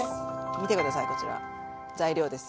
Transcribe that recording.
見て下さいこちら材料です。